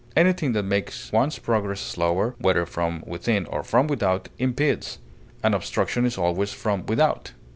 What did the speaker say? Anything that makes one's progress slower, whether from within or from without, impedes; an obstruction is always from without.